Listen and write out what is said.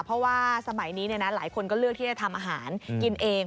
เพราะว่าสมัยนี้หลายคนก็เลือกที่จะทำอาหารกินเอง